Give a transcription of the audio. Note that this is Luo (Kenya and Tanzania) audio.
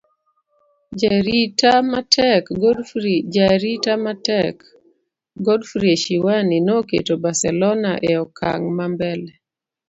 jaarita matek Godfrey Eshiwani noketo Barcelona e okang' ma mbele